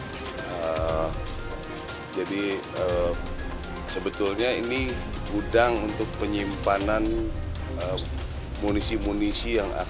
kepala staf tni angkatan darat jenderal maruli siman juntak